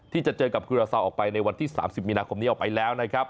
ที่จะเจอกับกุราซาออกไปในวันที่๓๐มีนาคมนี้ออกไปแล้วนะครับ